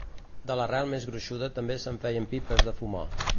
de l'arrel més gruixuda també se'n feien pipes de fumar